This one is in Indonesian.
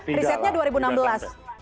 amerika serikat aja risetnya dua ribu enam belas